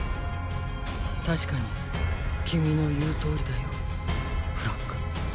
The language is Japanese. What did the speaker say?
確かに君の言うとおりだよフロック。